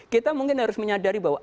kita mungkin harus menyadari bahwa